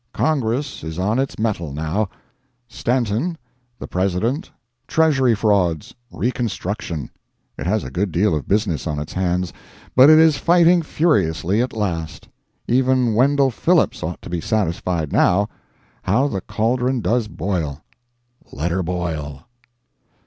Congress is on its mettle now—Stanton, the President, Treasury frauds, reconstruction—it has a good deal of business on its hands, but it is fighting furiously at last. Even Wendell Phillips ought to be satisfied now. How the cauldron does boil. Let her boil.